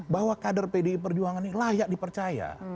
bahwa kader pdi perjuangan ini layak dipercaya